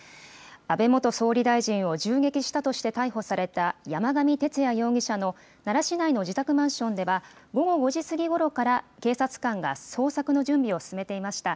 安倍元総理大臣を銃撃したとして、逮捕された山上徹也容疑者の奈良市内の自宅マンションでは、午後５時すぎごろから、警察官が捜索の準備を進めていました。